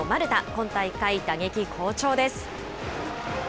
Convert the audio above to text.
今大会、打撃好調です。